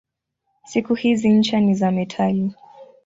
Siku hizi ncha ni za metali.